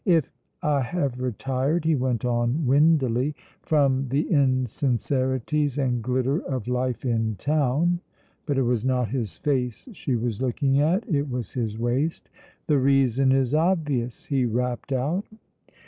"If I have retired," he went on windily, "from the insincerities and glitter of life in town," but it was not his face she was looking at, it was his waist, "the reason is obvious," he rapped out.